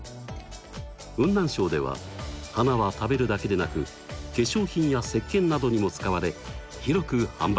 雲南省では花は食べるだけでなく化粧品や石けんなどにも使われ広く販売されています。